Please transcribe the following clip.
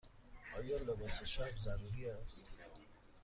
آیا لباس شب ضروری است؟